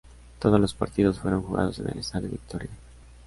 Todos los partidos fueron jugados en el estadio Victoria.